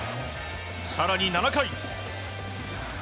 更に、７回。